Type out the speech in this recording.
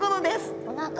おなか。